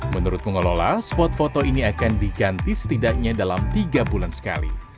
menurut pengelola spot foto ini akan diganti setidaknya dalam tiga bulan sekali